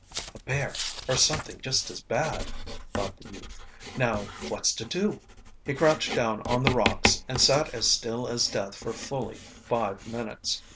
"A bear or something just as bad!" thought the youth. "Now what's to do?" He crouched down on the rocks and sat as still as death for fully five minutes.